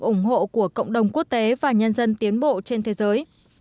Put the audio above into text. ủng hộ của cộng đồng quốc tế và nhân dân tiến bộ trên thế giới